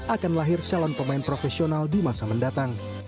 akan lahir calon pemain profesional di masa mendatang